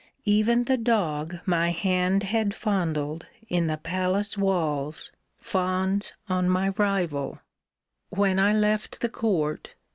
Even the dog My hand had fondled, in the palace walls Fawns on my rival. When I left the court.